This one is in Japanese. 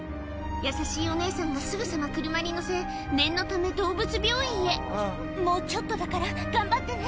優しいお姉さんがすぐさま車に乗せ念のため動物病院へ「もうちょっとだから頑張ってね」